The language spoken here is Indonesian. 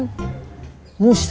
hamil itu urusan tuhan